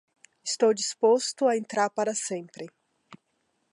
Estou disposto a entrar para sempre.